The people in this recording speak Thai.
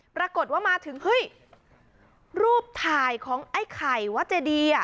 ปรากฏว่ามาถึงรูปถ่ายของไอ้ไข่วจดี